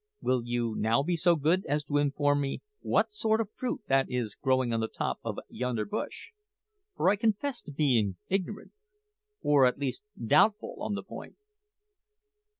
Will you now be so good as to inform me what sort of fruit that is growing on the top of yonder bush? for I confess to being ignorant, or at least doubtful, on the point."